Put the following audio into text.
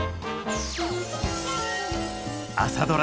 「朝ドラ」